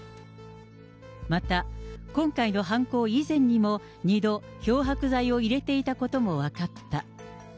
また、今回の犯行以前にも、２度、漂白剤を入れていたことも分かった。